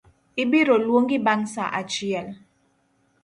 Ibiroluongi bang’ sa achiel